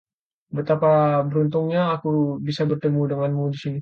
Betapa beruntungnya aku bisa bertemu denganmu di sini.